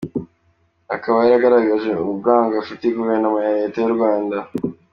Akaba yaragaragaje urwango afitiye Guverinoma ya Leta y’u Rwanda.